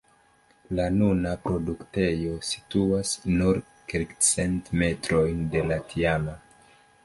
La nuna produktejo situas nur kelkcent metrojn de la tiama.